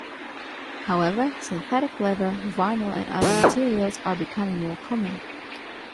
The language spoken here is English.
However, synthetic leather, vinyl and other materials are becoming more common.